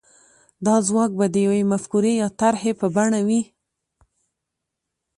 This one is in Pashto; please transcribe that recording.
دا ځواک به د يوې مفکورې يا طرحې په بڼه وي.